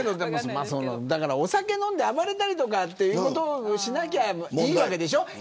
お酒を飲んで暴れたりということをしなければいいわけでしょ。